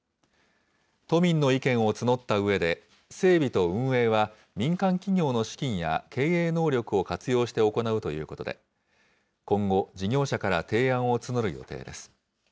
都民の意見を募ったうえで、整備と運営は民間企業の資金や、経営能力を活用して行うということで、今後、事業者から提案を募る予定です。